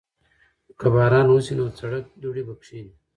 که باران وشي نو د سړک دوړې به کښېني.